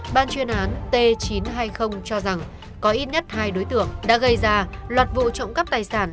ban chuyên án t chín trăm hai mươi cho rằng có ít nhất hai đối tượng đã gây ra loạt vụ trộm cắp tài sản